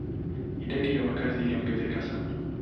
Idadi ya wakazi iliongezeka sana.